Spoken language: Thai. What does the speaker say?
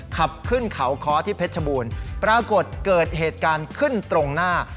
ขับขึ้นเขาค้อที่เพชรบูรณ์ปรากฏเกิดเหตุการณ์ขึ้นตรงหน้า